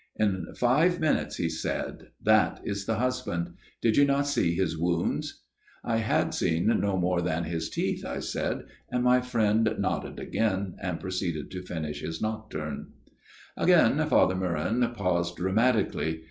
' In five minutes,' he said. * That is the j husband. Did you not see his wounds ?'" I had seen no more than his teeth, I said, and my friend nodded again and proceeded to finish 'his nocturn." Again Father Meuron paused dramatically.